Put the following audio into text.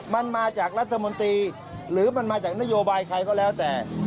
มันมาจากรัฐมนตรีหรือมันมาจากนโยบายใครก็แล้วแต่